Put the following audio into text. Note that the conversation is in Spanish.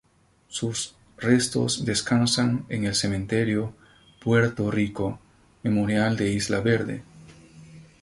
Sus restos descansan en el Cementerio Puerto Rico Memorial de Isla Verde.